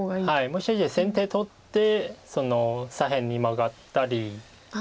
もしかして先手取って左辺にマガったり。